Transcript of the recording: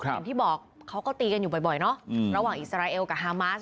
ครับที่บอกเราก็ตีกันอยู่บ่อยเนาะระว่าอิสเตรียลกับฮะมาส